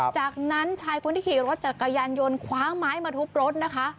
จากนั้นชายคนที่ขี่รถจักรยานยนต์คว้าไม้มาทุบรถนะคะ